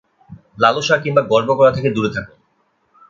লালসা কিংবা গর্ব করা থেকে দূরে থাকুন।